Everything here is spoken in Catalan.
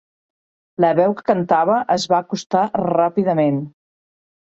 La veu que cantava es va acostar ràpidament.